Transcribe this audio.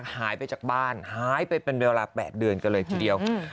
หายไปจากบ้านหายไปเป็นเวลา๘เดือนกันเลยทีเดียว